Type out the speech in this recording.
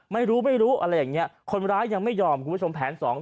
ไม่รู้ไม่รู้อะไรอย่างเงี้ยคนร้ายยังไม่ยอมคุณผู้ชมแผนสอง